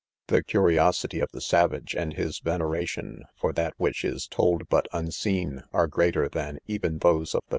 The/: curiosity of the savage ? and his veneration For that which is told but ■u?i$een, eiT@ greater than even those of the.